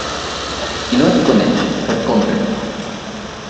Qui no et coneix, que et compre.